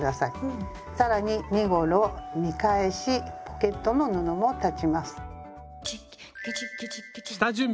更に身ごろ見返しポケットの布も裁ちます。